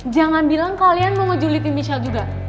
jangan bilang kalian mau ngejulitin misha juga